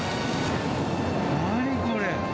何これ？